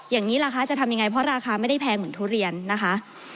อย่างนี้ล่ะคะจะทำยังไงเพราะราคาไม่ได้แพงเหมือนทุเรียนนะคะ